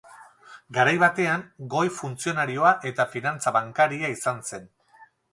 Garai batean, goi funtzionarioa eta finantza bankaria izan zen.